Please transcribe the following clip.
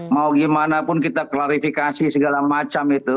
mau gimana pun kita klarifikasi segala macam itu